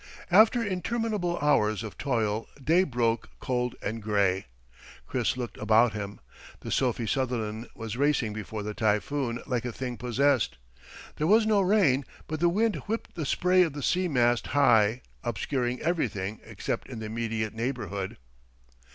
After interminable hours of toil day broke cold and gray. Chris looked about him. The Sophie Sutherland was racing before the typhoon like a thing possessed. There was no rain, but the wind whipped the spray of the sea mast high, obscuring everything except in the immediate neighborhood.